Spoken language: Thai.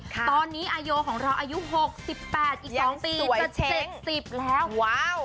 ตอนนี้อาโยของเราอายุหกสิบแปดอีก๒ปีจะเจ็ดสิบแล้วว้าว